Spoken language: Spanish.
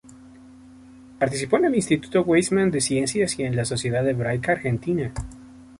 Participó en el Instituto Weizmann de Ciencias y en la Sociedad Hebraica Argentina.